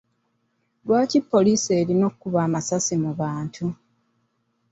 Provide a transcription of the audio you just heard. Lwaki poliisi erina okuba amasasi mu bantu.